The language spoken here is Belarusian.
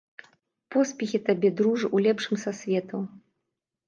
Поспехі табе, дружа, у лепшым са светаў.